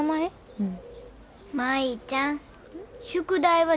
うん。